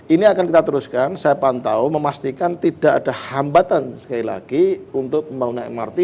ini akan kita teruskan saya pantau memastikan tidak ada hambatan sekali lagi untuk pembangunan mrt